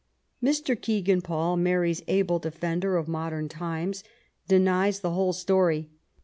Mr. Kegan Paul, Mary's able defender of modem times, denies the whole story.